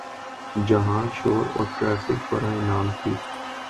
جہاں شور اور ٹریفک برائے نام تھی۔